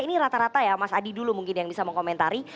ini rata rata ya mas adi dulu mungkin yang bisa mengkomentari